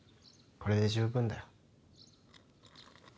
これで十分だよ。